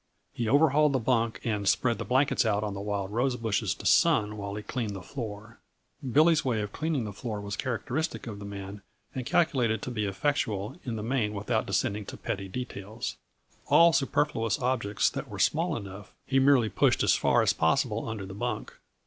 He overhauled the bunk and spread the blankets out on the wild rose bushes to sun while he cleaned the floor. Billy's way of cleaning the floor was characteristic of the man, and calculated to be effectual in the main without descending to petty details. All superfluous objects that were small enough, he merely pushed as far as possible under the bunk.